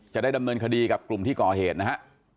จะได้ดำเนินคดีกับกลุ่มที่ก่อเหตุนะฮะ